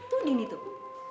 tuh dini tuh